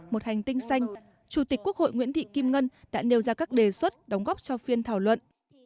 một hành tinh xanh chủ tịch quốc hội nguyễn thị kim ngân đã nêu ra các đề xuất đóng góp cho phiên thảo luận